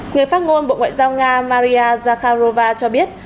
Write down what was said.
người phát ngôn bộ ngoại giao nga maria zakharova cho biết